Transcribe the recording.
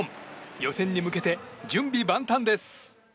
予選に向けて準備万端です。